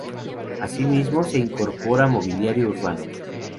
Asimismo, se incorporará mobiliario urbano.